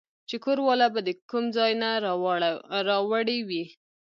چې کور والا به د کوم ځاے نه راوړې وې